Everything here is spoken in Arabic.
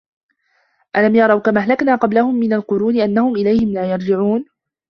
أَلَم يَرَوا كَم أَهلَكنا قَبلَهُم مِنَ القُرونِ أَنَّهُم إِلَيهِم لا يَرجِعونَ